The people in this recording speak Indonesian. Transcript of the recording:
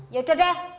ya udah deh